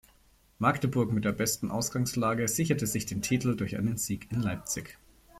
Magdeburg mit der besten Ausgangslage, sicherte sich den Titel durch einen Sieg in Leipzig.